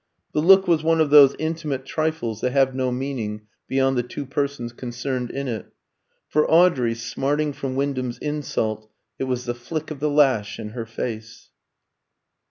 The look was one of those intimate trifles that have no meaning beyond the two persons concerned in it. For Audrey, smarting from Wyndham's insult, it was the flick of the lash in her face.